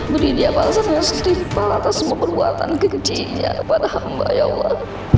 beri dia balasan yang setimpal atas semua perbuatan kekecilannya kepada hamba ya allah